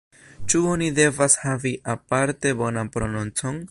Ĉu oni devas havi aparte bonan prononcon?